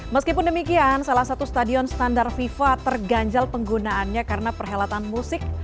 meskipun demikian salah satu stadion standar fifa terganjal penggunaannya karena perhelatan musik